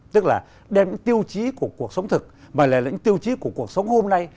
tức là đem những tiêu chí của cuộc sống thực mà lại là những tiêu chí của cuộc sống hôm nay